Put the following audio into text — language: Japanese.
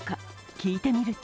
聞いてみると